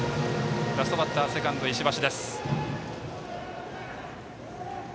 ラストバッター、セカンドの石橋。